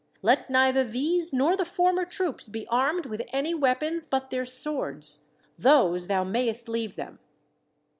Let neither these nor the former troops be armed with any weapons but their swords those thou mayest leave them.